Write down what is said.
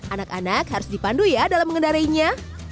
anak anak harus dipandu ya dalam mengendarainya